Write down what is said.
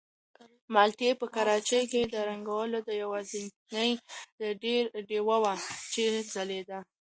مالټې په کراچۍ کې د رنګونو یوازینۍ ډېوه وه چې ځلېده.